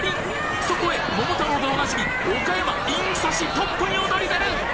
そこへ桃太郎でお馴染み岡山イン刺しトップに躍り出る！